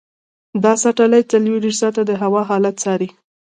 دا سټلایټ څلورویشت ساعته د هوا حالت څاري.